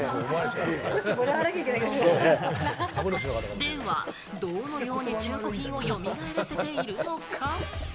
では、どのようにして、中古品を蘇らせているのか？